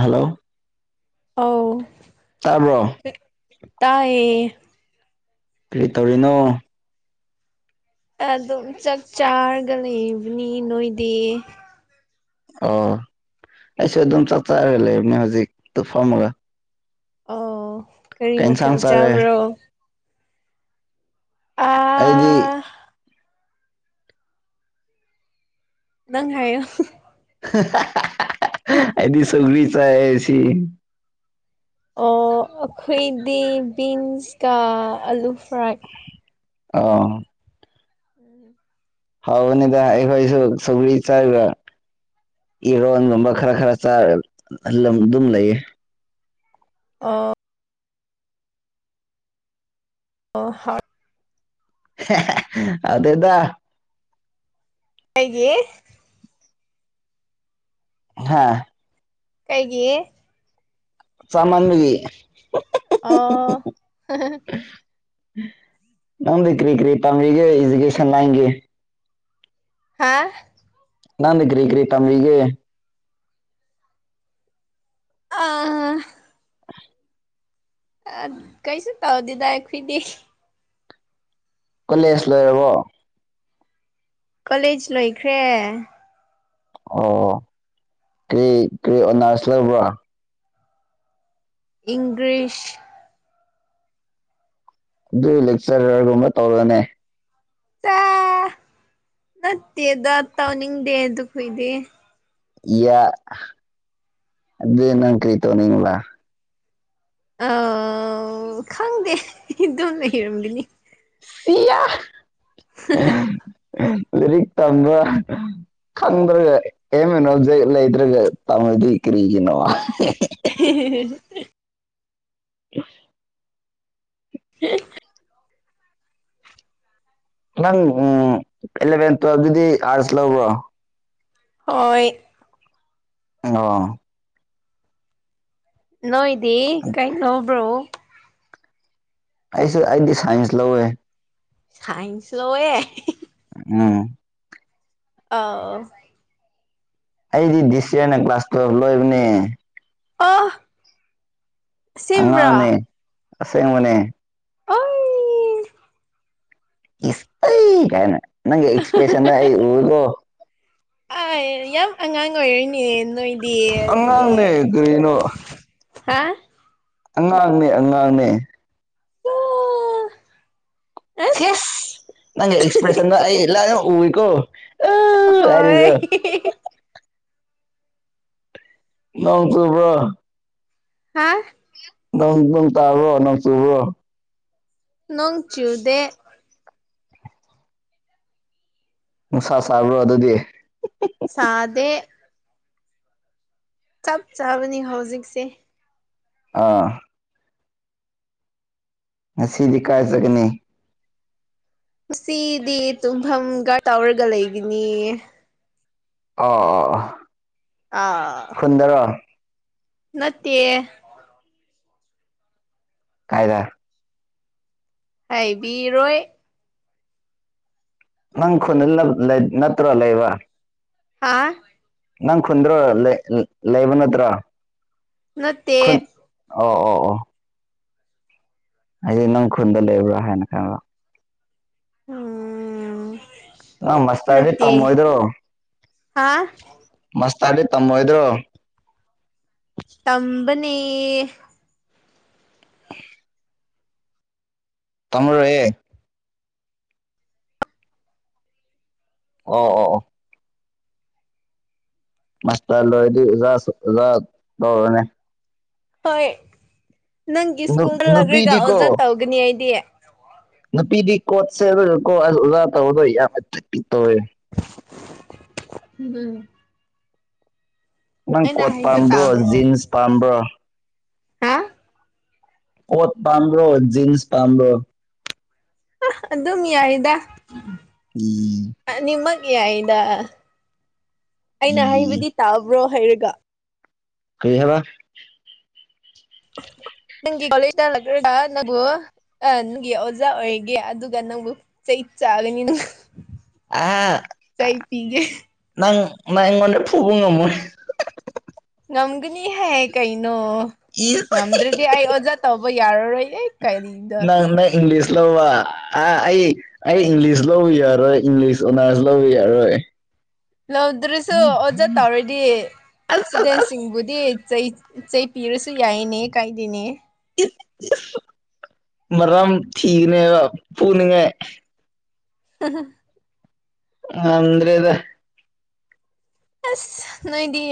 hello ꯇꯥꯕ꯭ꯔꯣ ꯑꯧꯇꯏꯌꯦ ꯀꯔꯤ ꯇꯧꯔꯤꯅꯣ ꯑꯗꯨꯝ ꯆꯥꯛ ꯆꯥꯔꯒ ꯂꯩꯕꯅꯤ ꯅꯣꯏꯗꯤ ꯑꯣ ꯑꯩꯁꯨ ꯑꯗꯨꯝ ꯆꯥꯛ ꯆꯥꯔ ꯂꯩꯕꯅꯦ ꯍꯧꯖꯤꯛꯇ ꯐꯥꯔꯃꯨꯂ ꯑꯣ ꯀꯔꯤ ꯃꯊꯦꯜ ꯆꯥꯔꯦ ꯆꯥꯕ꯭ꯔꯣ ꯑꯩꯗꯤ ꯑꯥ ꯅꯪ ꯍꯥꯏꯌꯣ ꯍꯨ ꯍꯥ ꯍꯥ ꯍꯥ ꯍꯥ ꯍꯥ ꯍꯥꯛ ꯑꯩꯗꯤ ꯆꯧꯒꯔꯤ ꯆꯥꯏꯌꯦ ꯉꯁꯤ ꯑꯣ ꯑꯩꯈꯣꯏꯗꯤ ꯕꯤꯟꯁꯀ ꯑꯂꯨ ꯐ꯭ꯔꯥꯏ ꯑ ꯍꯥꯎꯕꯅꯤꯗ ꯑꯩꯈꯣꯏꯁꯨ ꯁꯧꯒꯔꯤ ꯆꯥꯏꯔ ꯏꯔꯣꯟꯒꯨꯝꯕ ꯈꯔ ꯈꯔ ꯑꯗꯨꯝ ꯂꯩꯌꯦ ꯑꯣ ꯑꯣ ꯍꯣꯠ ꯑꯗꯨꯗ ꯑꯩꯒꯤ ꯍꯥꯥ ꯀꯩꯒꯤ ꯆꯥꯃꯟꯕꯒꯤ ꯑꯣ ꯅꯪꯗꯤ ꯀ꯭ꯔꯤ ꯀ꯭ꯔꯤ ꯇꯝꯔꯤꯒꯦ ꯏꯖꯨꯀꯦꯁꯟ ꯂꯥꯏꯟꯒꯤ ꯍꯥ ꯅꯪꯗꯤ ꯀ꯭ꯔꯤ ꯀ꯭ꯔꯤ ꯇꯝꯔꯤꯒꯦ ꯑꯥ ꯑ ꯀꯩꯁꯨ ꯇꯧꯗꯦꯗ ꯑꯩꯈꯣꯏꯗꯤ ꯀꯣꯂꯦꯖ ꯂꯣꯏꯔꯕꯣ ꯀꯣꯂꯦꯖ ꯂꯣꯏꯈ꯭ꯔꯦ ꯑꯣ ꯀ꯭ꯔꯤ ꯀ꯭ꯔꯤ ꯑꯣꯅꯥꯔꯁ ꯂꯩꯔꯕ꯭ꯔꯥ ꯏꯪꯒ꯭ꯔꯤꯁ ꯑꯗꯨ ꯂꯦꯛꯆꯔꯔ ꯒꯨꯝꯕ ꯇꯧꯔꯅꯦ ꯇꯥ ꯅꯠꯇꯦꯗ ꯇꯧꯅꯤꯡꯗꯦ ꯑꯗꯨ ꯈꯣꯏꯗꯤ ꯌꯥ ꯑꯗꯨꯗꯤ ꯅꯪ ꯀ꯭ꯔꯤ ꯇꯧꯅꯤꯡꯕ꯭ꯔꯥ ꯑꯥ ꯈꯪꯗꯦ ꯑꯗꯨꯝ ꯂꯩꯔꯝꯒꯅꯤ ꯁꯤꯌꯥ [unintelligible] ꯂꯤꯔꯤꯛ ꯇꯝꯕ꯭ꯔꯥ ꯈꯪꯗ꯭ꯔꯒ ꯑꯦꯝ ꯑꯦꯟ ꯑꯣꯕꯖꯦꯛ ꯂꯩꯇ꯭ꯔꯒ ꯇꯝꯔꯗꯤ ꯀꯔꯤꯒꯤꯅꯣ [unintelligible] [inaudible] [inaudible] ꯅꯪ ꯎꯝ ꯏꯂꯦꯚꯦꯟ ꯇ꯭ꯋꯦꯜꯚ ꯇꯗꯤ ꯑꯥꯔꯠꯁ ꯂꯧꯕ꯭ꯔꯣ ꯍꯣꯏ [unintelligible] ꯅꯣꯏꯗꯤ ꯀꯩ ꯂꯧꯕ꯭ꯔꯣ ꯑꯩꯁꯨ ꯑꯩꯗꯤ ꯁꯥꯏꯟꯁ ꯂꯧꯋꯦ ꯁꯥꯏꯟꯁ ꯂꯧꯋꯦ ꯎꯝ ꯑꯣ ꯑꯩꯗꯤ ꯗꯤꯁ ꯌꯔꯅ ꯀ꯭ꯂꯥꯁ ꯇ꯭ꯋꯦꯜꯚ ꯂꯣꯏꯕꯅꯦ ꯑꯣ ꯑꯁꯦꯡꯕ꯭ꯔꯣ ꯑꯉꯥꯡꯅꯦ ꯑꯁꯦꯡꯕꯅꯦ ꯑꯣꯏ ꯏꯁ ꯂꯩ ꯀꯥꯏꯅ ꯅꯪꯒꯤ ꯑꯦꯛꯁꯄ꯭ꯔꯦꯁꯟꯗꯣ ꯑꯩ ꯎꯋꯦꯀꯣ ꯑꯥꯢ ꯌꯥꯝ ꯑꯉꯥꯡ ꯑꯣꯏꯔꯤꯅꯦ ꯅꯣꯏꯗꯤ ꯑꯗꯨꯗꯤ ꯑꯉꯥꯡꯅꯦ ꯀꯔꯤꯅꯣ ꯍꯥ ꯑꯉꯥꯡꯅꯦ ꯑꯉꯥꯡꯅꯦ ꯁꯦꯁ ꯑꯁ ꯅꯪꯒꯤ ꯑꯦꯛꯁꯄ꯭ꯔꯦꯁꯟꯗꯣ ꯑꯩ ꯂꯥꯢꯅ ꯎꯋꯤꯀꯣ ꯑꯍꯣꯏ ꯅꯣꯡ ꯆꯨꯕ꯭ꯔꯣ ꯍꯥ [unintelligible] ꯅꯪ ꯅꯪ ꯇꯥꯕꯔꯣ ꯅꯪ ꯆꯨꯕꯔꯣ ꯅꯣꯡ ꯆꯨꯗꯦ ꯅꯨꯡꯁꯥ ꯁꯥꯕ꯭ꯔꯣ ꯑꯗꯨꯗꯤ ꯁꯥꯗꯦ ꯆꯞ ꯆꯥꯕꯅꯤ ꯍꯧꯖꯤꯛꯁꯦ ꯑꯥ ꯉꯁꯤꯗꯤ ꯀꯔꯥꯏ ꯆꯠꯀꯅꯤ ꯉꯁꯤꯗꯤ ꯇꯨꯝꯐꯝ ꯒꯥꯠ ꯇꯧꯔꯒ ꯂꯩꯒꯅꯤ ꯑꯣ ꯑꯣꯍ ꯑꯥ ꯅꯠꯇꯦ ꯀꯥꯏꯗ ꯍꯥꯏꯕꯤꯔꯣꯏ ꯅꯪ ꯈꯨꯟꯗ [unintelligible] ꯅꯠꯇ꯭ꯔꯣ ꯂꯩꯕ ꯍꯥꯥ ꯅꯪ ꯈꯨꯟꯗ꯭ꯔꯣ ꯂꯦ [unintelligible] ꯂꯦꯕ ꯅꯠꯇ꯭ꯔꯣ ꯅꯠꯇꯦ ꯈꯨꯟ ꯑꯣ ꯑꯣ ꯑꯣ ꯑꯩꯗꯤ ꯅꯪ ꯈꯨꯟꯗ ꯂꯩꯕ꯭ꯔꯥ ꯍꯥꯏꯅ ꯈꯟꯕ ꯎꯝ ꯅꯪ ꯃꯥꯁꯇꯔꯗꯤ ꯅꯠꯇꯦ ꯇꯝꯃꯣꯢꯗꯔꯣ ꯍꯥ ꯃꯁ ꯇꯔꯗꯤ ꯇꯝꯃꯣꯏꯗ꯭ꯔꯣ [unintelligible] ꯒꯅꯤ ꯇꯝꯃꯔꯣꯢꯌꯦ ꯑꯣ ꯑꯣ ꯑꯣ ꯃꯥꯁꯇꯔ ꯂꯣꯢꯔꯗꯤ ꯑꯣꯖꯥꯁꯨ ꯑꯣꯖꯥ ꯇꯧꯔꯣꯅꯦ ꯍꯣꯏ ꯅꯪꯒꯤ ꯁ꯭ꯀꯨꯜꯗ ꯂꯥꯛꯔꯒ ꯅꯨꯄꯤꯗꯤꯀꯣ ꯑꯣꯖꯥ ꯇꯧꯒꯅꯤ ꯑꯩꯗꯤ ꯅꯨꯄꯤꯗꯤ ꯀꯣꯠ ꯁꯦꯠꯔꯒꯀꯣ [unintelligible] ꯑꯣꯖꯥ ꯇꯧꯕ ꯌꯥꯝꯅ ꯆꯠꯄꯤ ꯇꯧꯔꯦ [unintelligible] ꯍꯨꯝ ꯅꯪ ꯀꯣꯠ ꯄꯥꯝꯕ꯭ꯔꯣ ꯇꯥꯕ꯭ꯔꯣ ꯖꯤꯟꯁ ꯄꯥꯝꯕ꯭ꯔꯣ ꯍꯥ ꯀꯣꯠ ꯄꯥꯝꯕ꯭ꯔꯣ ꯖꯤꯟꯁ ꯄꯥꯝꯕ꯭ꯔꯣ ꯑꯥꯍ ꯑꯗꯨꯝ ꯌꯥꯑꯦꯗꯥ ꯏ ꯑꯅꯤꯃꯛ ꯌꯥꯏꯗꯥ ꯏ ꯑꯩꯅ ꯍꯥꯏꯕꯗꯤ ꯇꯥꯕ꯭ꯔꯣ ꯍꯥꯏꯔꯒ ꯀꯩ ꯍꯥꯢꯕ [unintelligible] ꯅꯪꯒꯤ ꯀꯣꯂꯦꯖꯇ ꯂꯥꯛꯔꯒ ꯅꯪꯕꯨ ꯑꯥ ꯅꯪꯒꯤ ꯑꯣꯖꯥ ꯑꯣꯏꯒꯦ ꯑꯗꯨꯒ ꯅꯪꯕꯨ ꯆꯩ ꯆꯥꯒꯅꯤ [unintelligible] ꯑꯥ ꯑꯩ ꯆꯩ ꯄꯤꯒꯦ ꯅꯪ ꯃꯥ ꯑꯩꯉꯣꯟꯗ ꯐꯨꯕ ꯉꯝꯃꯣꯏ [unintelligible] ꯉꯝꯒꯅꯤ ꯍꯦ ꯀꯩꯅꯣ ꯏꯁ ꯉꯝꯗ꯭ꯔꯗꯤ ꯑꯩ ꯑꯣꯖꯥ ꯇꯧꯕ ꯌꯥꯔꯔꯣꯏ [unintelligible] ꯅꯪꯅ ꯏꯪꯂꯤꯁ ꯂꯧꯕ ꯑ ꯑꯥ ꯑꯩ ꯏꯪꯂꯤꯁ ꯂꯧꯕ ꯌꯥꯔꯣꯏ ꯏꯪꯂꯤꯁ ꯑꯣꯟꯅꯔꯁ ꯂꯧꯕ ꯌꯥꯔꯣꯏ ꯂꯧꯗ꯭ꯔꯁꯨ ꯑꯣꯖꯥ ꯇꯧꯔꯗꯤ ꯑꯁ ꯁ꯭ꯇꯨꯗꯦꯟꯁ ꯑꯁ ꯁꯤꯡꯕꯨꯗꯤ ꯆꯩ ꯆꯩꯄꯤꯔꯁꯨ ꯌꯥꯏꯌꯦꯅꯦ ꯀꯥꯏꯗꯦꯅꯦ ꯑꯁ ꯃꯔꯝ ꯊꯤꯕꯅꯦꯕ ꯐꯨꯅꯤꯡꯉꯥꯏ [unintelligible] ꯉꯝꯗ꯭ꯔꯦꯗ ꯑꯁ ꯅꯣꯏꯗꯤ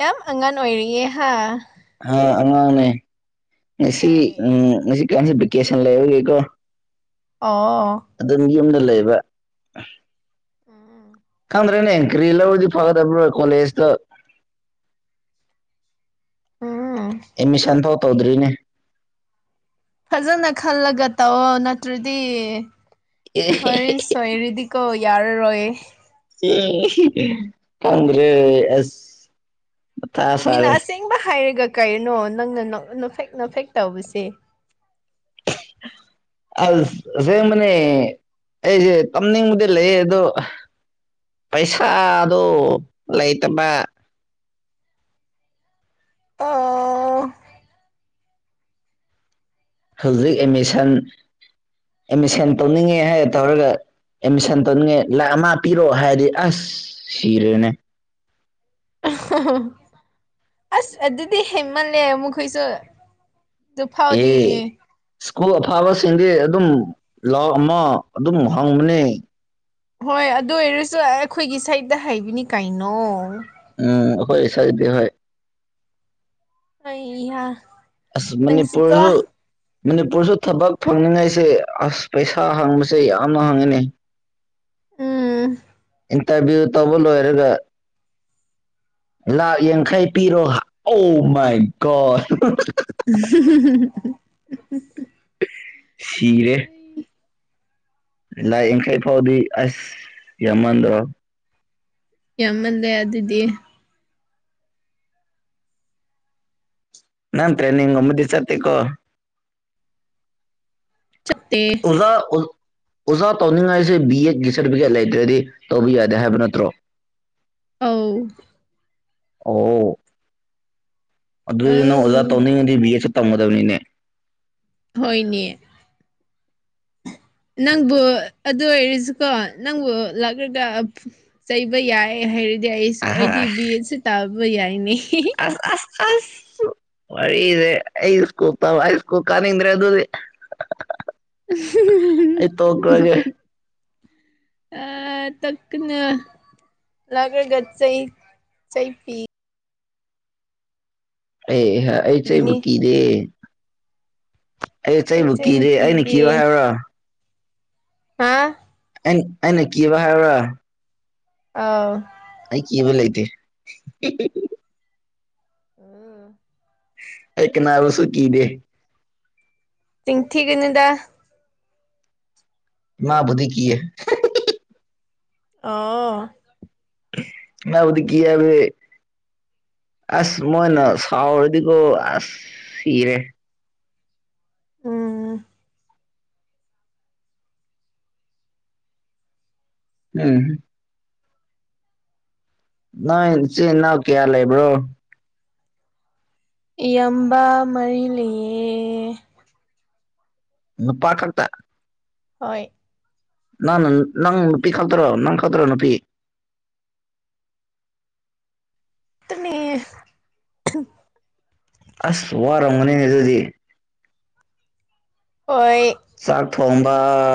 ꯌꯥꯝ ꯑꯉꯥꯟ ꯑꯣꯏꯔꯤꯌꯦ ꯍꯥ ꯍꯥ ꯑꯉꯥꯡꯅꯦ ꯉꯁꯤ ꯍꯣꯏ ꯎꯝ ꯉꯁꯤ [unintelligible] ꯕꯦꯀꯦꯁꯟ ꯂꯩꯕꯒꯤꯀꯣ ꯑꯣ ꯑꯗꯨꯝ ꯌꯨꯝꯗ ꯂꯩꯕ ꯑ ꯈꯪꯗ꯭ꯔꯅꯦ ꯀ꯭ꯔꯤ ꯂꯧꯔꯗꯤ ꯐꯒꯗꯕ꯭ꯔꯣ ꯀꯣꯂꯦꯖꯗꯣ ꯎꯝ ꯑꯦꯠꯃꯤꯁꯟꯐꯧ ꯇꯧꯗ꯭ꯔꯤꯅꯦ ꯐꯖꯅ ꯈꯜꯂꯒ ꯇꯧꯋꯣ ꯅꯠꯇ꯭ꯔꯗꯤ ꯍꯣꯔꯦꯟ ꯁꯣꯏꯔꯗꯤꯀꯣ ꯌꯥꯔꯔꯣꯏ [unintelligible] ꯈꯪꯗ꯭ꯔꯦ ꯑꯁ ꯃꯊꯥ ꯃꯤꯅ ꯁꯥꯔꯦ ꯑꯁꯦꯡꯕ ꯍꯥꯏꯔꯒ ꯀꯔꯤꯅꯣ ꯅꯪꯅ ꯅꯣꯛ ꯅꯣꯐꯦꯛ ꯅꯣꯐꯦꯛ ꯇꯧꯕꯁꯤ [unintelligible] ꯑꯁ ꯑꯁꯦꯕꯅꯦ ꯑꯩꯖꯦ ꯇꯝꯅꯤꯡꯕꯗꯤ ꯂꯩꯌꯦ ꯑꯗꯣ ꯄꯩꯁꯥꯗꯣ ꯂꯩꯇꯕꯥ ꯑꯣ ꯍꯧꯖꯤꯛ ꯑꯦꯠꯃꯤꯁꯟ ꯑꯦꯠꯃꯤꯁꯟ ꯇꯧꯅꯤꯡꯉꯦ ꯍꯥꯏꯔ ꯇꯧꯔꯒ ꯑꯦꯠꯃꯤꯁꯟ ꯇꯧꯅꯤꯡꯉꯏ ꯂꯥꯛ ꯑꯃ ꯄꯤꯔꯣ ꯍꯥꯏꯔꯗꯤ ꯑꯁ ꯁꯤꯔꯦꯅꯦ ꯑꯁ ꯑꯗꯨꯗꯤ ꯍꯦꯟꯃꯜꯂꯦ ꯃꯈꯣꯏꯁꯨ ꯑꯗꯨ ꯑꯦ ꯐꯥꯎꯗꯤ ꯏꯁ꯭ꯀꯨꯜ ꯑꯐꯕ ꯁꯤꯡꯗꯤ ꯑꯗꯨꯝ ꯂꯥꯛ ꯑꯃ ꯑꯗꯨꯝ ꯍꯪꯕꯅꯦ ꯍꯣꯏ ꯑꯗꯨ ꯑꯣꯏꯔꯁꯨ ꯑꯈꯣꯏꯒꯤ ꯁꯥꯏꯠꯇ ꯍꯩꯕꯅꯤ ꯀꯩꯅꯣ ꯎꯝ ꯑꯈꯣꯏ ꯁꯥꯏꯠꯗ ꯍꯣꯏ ꯑꯩꯍꯥ ꯑꯁ ꯅꯪꯁꯨꯀꯣ ꯃꯅꯤꯄꯨꯔꯁꯨ ꯃꯅꯤꯄꯨꯔꯁꯨ ꯊꯕꯛ ꯐꯪꯅꯤꯡꯉꯥꯏꯁꯦ ꯑꯁ ꯄꯩꯁꯥ ꯍꯪꯕꯁꯦ ꯌꯥꯝꯅ ꯍꯪꯉꯦꯅꯦ ꯎꯝ ꯏꯟꯇꯔꯚ꯭ꯌꯨ ꯇꯧꯕ ꯂꯣꯏꯔꯒ ꯂꯥꯛ ꯌꯥꯡꯈꯩ ꯄꯤꯔꯣ ꯑꯧ ꯃꯥꯏ ꯒꯣꯠ ꯁꯤꯔꯦ ꯂꯥꯛ ꯌꯥꯡꯈꯩ ꯐꯥꯎꯗꯤ ꯑꯁ ꯌꯥꯝꯃꯟꯗ꯭ꯔꯣ ꯌꯥꯝꯃꯟꯂꯦ ꯑꯗꯨꯗꯤ ꯅꯪ ꯇ꯭ꯔꯦꯟꯅꯤꯡ ꯑꯃꯗꯤ ꯆꯠꯇꯦꯀꯣ ꯆꯠꯇꯦ ꯑꯣꯖꯥ ꯑꯣ ꯑꯣꯖꯥ ꯇꯧꯅꯤꯡꯉꯥꯏꯁꯦ ꯕꯤ ꯑꯦꯠ ꯒꯤ ꯁꯥꯔꯇꯤꯐꯤꯀꯦꯠ ꯂꯩꯇ꯭ꯔꯗꯤ ꯇꯧꯕ ꯌꯥꯗꯦ ꯍꯥꯏꯕ ꯅꯠꯇ꯭ꯔꯣ ꯑꯧ ꯑꯣ ꯑꯗꯨꯑꯣꯏꯗꯤ ꯅꯪ ꯑꯣꯖꯥ ꯑꯧ ꯇꯧꯅꯤꯡꯉꯗꯤ ꯕꯤ ꯑꯦꯠꯁꯨ ꯇꯝꯒꯗꯕꯅꯤꯅꯦ ꯍꯣꯏꯅꯦ ꯅꯪꯕꯨ ꯑꯗꯨ ꯑꯣꯏꯔꯁꯨꯀꯣ ꯅꯪꯕꯨ ꯂꯥꯛꯔꯒ ꯆꯩꯕ ꯌꯥꯏꯌꯦ ꯍꯥꯏꯔ ꯌꯥꯏꯌꯦꯁꯨ ꯑꯍꯥ ꯑꯩꯗꯤ ꯕꯤ ꯑꯦꯠꯁꯨ ꯇꯧꯕ ꯌꯥꯏꯅꯤ ꯑꯁ ꯑꯁ ꯑꯁ ꯋꯥꯔꯤꯗꯤ ꯑꯩ ꯁ꯭ꯀꯨꯜ ꯇꯝ ꯑꯩ ꯁ꯭ꯀꯨꯜ ꯀꯥꯅꯤꯡꯗ꯭ꯔꯦ ꯑꯗꯨꯗꯤ ꯑꯩ ꯇꯣꯛꯈ꯭ꯔꯒꯦ [unintelligible] ꯑꯥ ꯇꯛꯀ [unintelligible] ꯂꯥꯛꯔꯒ ꯆꯩ ꯆꯩꯄꯤ ꯑꯦꯍ ꯑꯩ ꯆꯩꯕꯨ ꯄꯤꯒꯅꯤ ꯀꯤꯗꯦ ꯑꯩ ꯆꯩꯕꯨ ꯀꯤꯗꯦ ꯑꯩꯅ ꯀꯤꯕ ꯍꯥꯏꯎꯔꯥ ꯍꯥ [unintelligible] ꯑꯩꯅ ꯀꯤꯕ ꯍꯥꯏꯎꯔꯥ ꯑꯥꯎ ꯑꯩ ꯀꯤꯕ ꯂꯩꯇꯦ [unintelligible] ꯑꯝ [unintelligible] ꯑꯩ ꯀꯅꯥꯕꯨꯁꯨ ꯀꯤꯗꯦ ꯆꯤꯟ ꯊꯤꯒꯅꯨꯗꯥ ꯏꯃꯥꯕꯨꯗꯤ ꯀꯤꯌꯦ [unintelligible] ꯑꯣ [unintelligible] ꯏꯃꯥꯕꯨꯗꯤ ꯀꯤ ꯍꯥꯏꯕꯗꯤ ꯑꯁ ꯃꯣꯏꯅ ꯁꯥꯥꯎꯔꯗꯤꯀꯣ ꯑꯁ ꯁꯤꯔꯦ ꯑꯝ ꯎꯝ ꯅꯣꯏ ꯆꯤꯟ ꯏꯅꯥꯎ ꯀꯌꯥ ꯂꯩꯕ꯭ꯔꯣ ꯏꯌꯝꯕ ꯃꯔꯤ ꯂꯩꯌꯦ ꯅꯨꯄꯥ ꯈꯛꯇ ꯍꯣꯏ ꯅꯪꯅ ꯅꯪ ꯅꯨꯄꯤ ꯈꯛꯇꯔꯣ ꯅꯪ ꯈꯛꯇꯔꯣ ꯅꯨꯄꯤ [inaudible] ꯇꯨꯝꯃꯤ [unintelligible] ꯑꯁ ꯋꯥꯔꯝꯒꯅꯤ ꯑꯗꯨꯗꯤ ꯍꯣꯏ ꯊꯣꯡꯕꯥ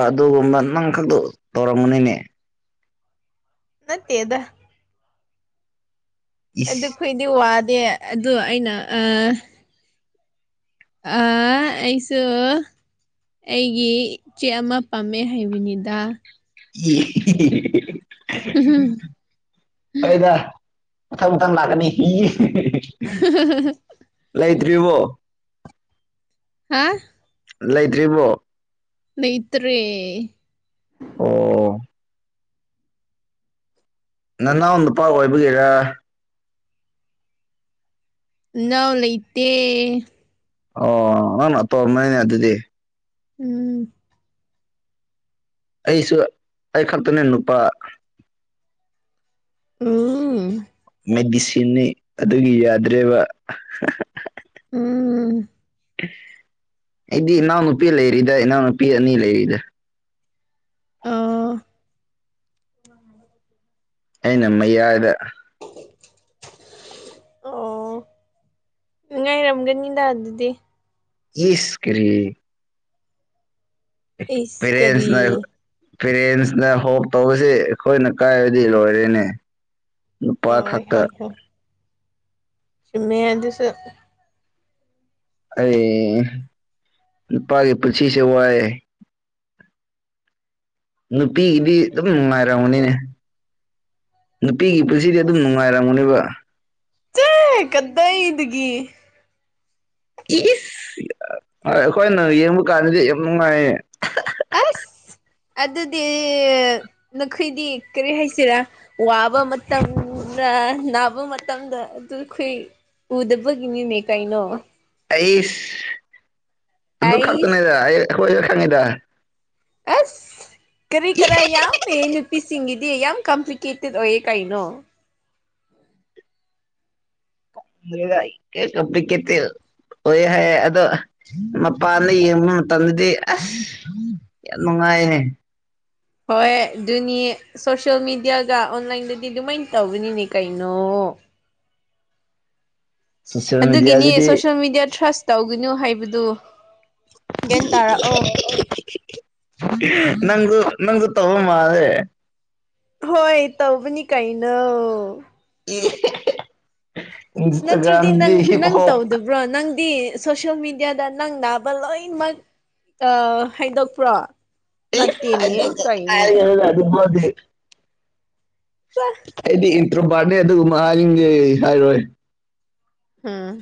ꯑꯗꯨꯒꯨꯝꯕ ꯅꯪ ꯈꯛꯇ ꯇꯧꯔꯝꯒꯅꯤꯅꯦ ꯅꯠꯇꯦꯗꯥ ꯏꯁ ꯑꯗꯨꯈꯣꯏꯗꯤ ꯋꯥꯗꯦ ꯑꯗꯨ ꯑꯩꯅ ꯑꯥ ꯑꯥ ꯑꯩꯁꯨ ꯑꯩꯒꯤ ꯏꯆꯦ ꯑꯃ ꯄꯥꯝꯃꯦ ꯍꯥꯏꯕꯅꯤꯗꯥ [unintelligible] ꯍꯣꯏꯗꯥ ꯃꯊꯪ ꯃꯊꯪ ꯂꯥꯛꯀꯅꯤ [unintelligible] [unintelligible] ꯇ꯭ꯔꯤꯕꯣ ꯍꯥ ꯂꯩꯇ꯭ꯔꯤꯕꯣ ꯂꯩꯇ꯭ꯔꯦ ꯑꯣ ꯅꯅꯥꯎ ꯅꯨꯄꯥ ꯑꯣꯏꯕꯒꯤꯔꯥ ꯏꯅꯥꯎ ꯂꯩꯇꯦ ꯑꯣ ꯃꯥꯅ ꯑꯇꯣꯝꯕꯅꯤꯅꯦ ꯑꯗꯨꯗꯤ ꯎꯝ ꯑꯩꯁꯨ ꯑꯩ ꯈꯛꯇꯅꯦ ꯅꯨꯄꯥ ꯎꯝ ꯃꯦꯗꯤꯁꯤꯟꯅꯤ ꯑꯗꯨꯒꯤ ꯌꯥꯗ꯭ꯔꯦꯕ ꯎꯝ ꯑꯩꯗꯤ ꯏꯅꯥꯎꯅꯨꯄꯤ ꯂꯩꯔꯤꯗ ꯏꯅꯥꯎꯅꯨꯄꯤ ꯑꯅꯤ ꯂꯩꯔꯤꯗ ꯑ ꯑꯩꯅ ꯃꯌꯥꯏꯗ [inaudible] ꯉꯥꯏꯔꯝꯒꯅꯤꯗꯥ ꯑꯗꯨꯗꯤ ꯏꯁ ꯀꯔꯤ ꯏꯁ ꯄꯦꯔꯦꯁꯅ ꯀꯔꯤ ꯄꯦꯔꯦꯟꯁꯅ ꯍꯣꯞ ꯇꯧꯕꯁꯦ ꯑꯩꯈꯣꯏꯅ ꯀꯥꯏꯔꯗꯤ ꯂꯣꯏꯔꯦꯅꯦ ꯅꯨꯄꯥ ꯑ ꯍꯣꯏ ꯈꯛꯇ ꯍꯣꯏ ꯆꯨꯝꯃꯤꯅꯦ ꯑꯗꯨꯁꯨ ꯑꯩ ꯅꯨꯄꯥꯒꯤ ꯄꯨꯟꯁꯤꯁꯦ ꯋꯌꯦ ꯅꯨꯄꯤꯒꯤꯗꯤ ꯑꯗꯨꯝ ꯅꯨꯡꯉꯥꯏꯔꯝꯒꯅꯤꯅꯦ ꯄꯤꯒꯤ ꯄꯨꯟꯁꯤꯗꯤ ꯑꯗꯨꯝ ꯅꯨꯡꯉꯥꯏꯔꯝꯒꯅꯤꯕ ꯆꯦ ꯀꯗꯥꯩꯗꯒꯤ ꯏꯁ ꯑꯩꯈꯣꯏꯅ ꯌꯦꯡꯕ ꯀꯥꯟꯗꯗꯤ ꯌꯥꯝ ꯅꯨꯡꯉꯥꯏꯌꯦ [unintelligible] ꯑꯁ ꯑꯗꯨꯗꯤ ꯅꯈꯣꯏꯗꯤ ꯀꯔꯤ ꯍꯥꯏꯁꯤꯔꯥ ꯋꯥꯕ ꯃꯇꯝ ꯅ ꯅꯕ ꯃꯇꯝꯗ ꯑꯗꯨꯈꯣꯏ ꯎꯗꯕꯒꯤꯅꯤꯅꯦ ꯀꯩꯅꯣ ꯑꯩꯁ ꯑꯗꯨ ꯑꯩꯁ ꯈꯛꯇꯅꯦꯗ ꯑꯩ ꯑꯩꯈꯣꯏꯁꯨ ꯈꯪꯉꯤꯗ ꯑꯁ ꯀꯔꯤ ꯀꯔꯥ ꯌꯥꯝ ꯅꯨꯄꯤꯁꯤꯡꯒꯤꯗꯤ ꯌꯥꯝ ꯀꯝꯄ꯭ꯂꯤꯀꯦꯇꯦꯠ ꯑꯣꯏꯌꯦ ꯀꯩꯅꯣ ꯈꯪꯗꯔꯦꯗ ꯑꯩ ꯀꯔꯤ ꯀꯝꯄꯤꯜꯀꯦꯇꯦꯠ ꯑꯣꯏꯌꯦ ꯍꯥꯏꯌꯦ ꯑꯗꯣ ꯃꯄꯥꯟꯅ ꯌꯦꯡꯕ ꯃꯇꯝꯗꯗꯤ ꯑꯁ ꯌꯥꯝ ꯅꯨꯡꯉꯥꯏ ꯍꯥꯏꯅꯦ ꯍꯣꯏ ꯑꯗꯨꯅꯤ ꯁꯣꯁꯌꯦꯜ ꯃꯦꯗꯤꯌꯥꯒ ꯑꯣꯟꯂꯥꯏꯟꯗꯗꯤ ꯑꯗꯨꯃꯥꯏꯅ ꯇꯧꯕꯅꯤꯅꯦ ꯀꯩꯅꯣ [inaudible] ꯁꯣꯁꯦꯜ ꯑꯗꯨꯗꯒꯤꯅꯤ ꯃꯦꯗꯤꯌꯥꯁꯤꯗꯤ ꯁꯣꯁꯜ ꯃꯦꯗꯤꯌ ꯇꯔꯁ ꯇꯧꯒꯅꯨ ꯍꯥꯏꯕꯗꯨ ꯒꯌꯥꯟ ꯇꯥꯔꯛꯑꯣ ꯅꯪꯖꯨ ꯅꯪꯖꯨ ꯇꯧꯕ ꯃꯥꯟꯂꯦ ꯍꯣꯏ ꯇꯧꯕꯅꯤ ꯀꯩꯅꯣ [unintelligible] ꯅꯠꯇ꯭ꯔꯗꯤ ꯏꯟꯁꯇꯥꯒ꯭ꯔꯥꯝꯗꯤ ꯅꯪ ꯍꯤꯞ ꯅꯪ ꯍꯣꯞ ꯇꯧꯗꯕ꯭ꯔꯣ ꯅꯪꯗꯤ ꯁꯣꯁꯌꯦꯜ ꯃꯦꯗꯤꯌꯥꯗ ꯅꯪ ꯅꯥꯕ ꯂꯣꯏꯅꯃꯛ ꯍꯥꯏꯗꯣꯛꯄ꯭ꯔꯣ ꯢ ꯅꯠꯇꯦꯅꯦ ꯍꯥꯢꯗꯣꯛꯇꯦ ꯀꯩꯅꯣ ꯀꯥꯢꯗꯩꯅꯣꯗ ꯑꯗꯨꯐꯧꯗꯤ ꯑꯩꯗꯤ ꯏꯟꯇ꯭ꯔꯣꯕꯥꯔꯅꯦ ꯑꯗꯨꯒꯨꯝꯕ ꯍꯥꯏꯅꯤꯡꯗꯦ ꯍꯥꯏꯔꯣꯏ ꯎꯃ